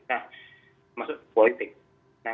nah maksud saya